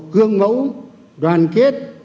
gương mấu đoàn kết